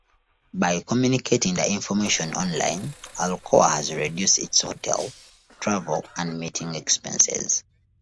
By communicating the information online, Alcoa has reduced its hotel, travel, and meeting expenses.